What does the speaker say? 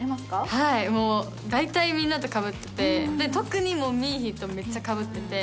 はい、もう大体、みんなとかぶってて、特にもうミーヒとめっちゃかぶってて。